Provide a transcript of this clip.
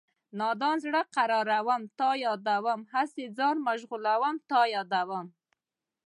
نادان زړه قراروم تا یادوم هسې ځان مشغولوم تا یادوم